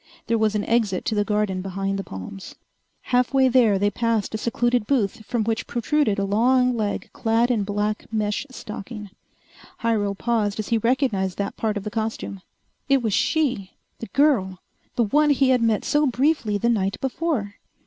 There was an exit to the garden behind the palms. Half way there they passed a secluded booth from which protruded a long leg clad in black mesh stocking. Hyrel paused as he recognized that part of the costume. It was she! The girl! The one he had met so briefly the night before!